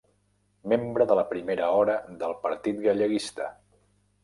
Membre de primera hora del Partit Galleguista.